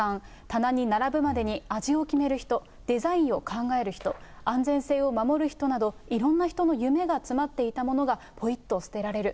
棚に並ぶまでに味を決める人、デザインを考える人、安全性を守る人など、いろんな人の夢が詰まっていたものがぽいっと捨てられる。